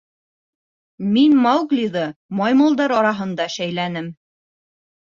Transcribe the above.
— Мин Мауглиҙы маймылдар араһында шәйләнем.